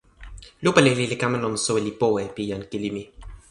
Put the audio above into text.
lupa lili li kama lon soweli powe pi jan kili mi.